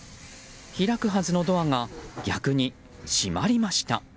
開くはずのドアが逆に閉まりました。